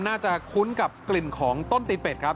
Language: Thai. คุ้นกับกลิ่นของต้นตีเป็ดครับ